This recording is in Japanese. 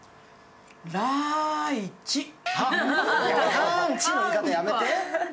カーンチの言い方やめて。